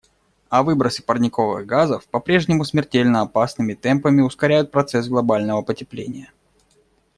А выбросы парниковых газов попрежнему смертельно опасными темпами ускоряют процесс глобального потепления.